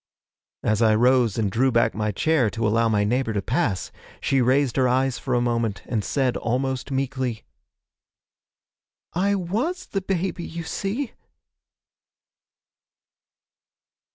As I rose and drew back my chair to allow my neighbour to pass, she raised her eyes for a moment and said almost meekly: 'I was the baby, you see!'